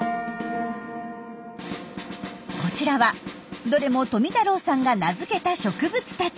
こちらはどれも富太郎さんが名付けた植物たち。